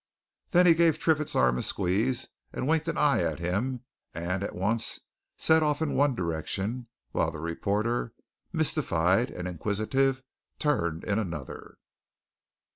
Then he gave Triffitt's arm a squeeze and winked an eye at him, and at once set off in one direction, while the reporter, mystified and inquisitive, turned in another.